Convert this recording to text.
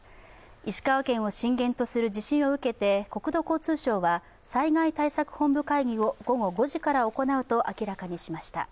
石川県を震源とする地震を受けて国土交通省は災害対策本部会議を午後５時から行うと明らかにしました。